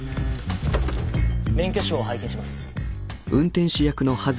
免許証を拝見します。